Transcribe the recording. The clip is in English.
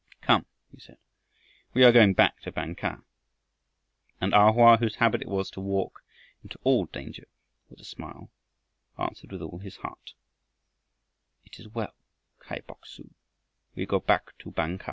"Come," he said, "we are going back to Bang kah." And A Hoa, whose habit it was to walk into all danger with a smile, answered with all his heart: "It is well, Kai Bok su; we go back to Bang kah."